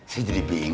saya jadi bingung